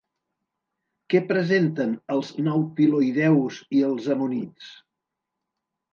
Què presenten els nautiloïdeus i els ammonits?